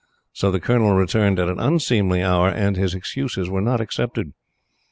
So the Colonel returned at an unseemly hour and his excuses were not accepted.